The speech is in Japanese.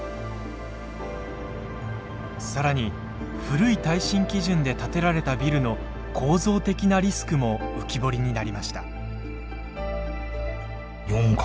更に古い耐震基準で建てられたビルの構造的なリスクも浮き彫りになりました。